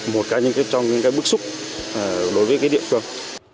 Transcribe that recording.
một trong những bước xúc đối với địa phương